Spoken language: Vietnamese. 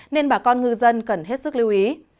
nên bà con ngư dân cần hết sức lưu ý